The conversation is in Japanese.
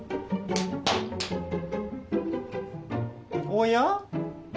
おや？